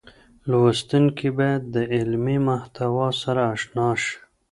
لوستونکي بايد د علمي محتوا سره اشنا شي.